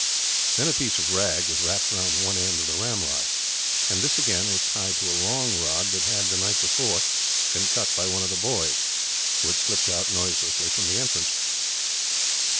Then a piece of rag was wrapped round one end of the ramrod; and this, again, was tied to a long rod that had, the night before, been cut by one of the boys, who had slipped out noiselessly from the entrance.